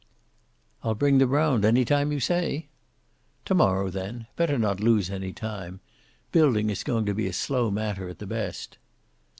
"I'll bring them round, any time you say." "To morrow, then. Better not lose any time. Building is going to be a slow matter, at the best."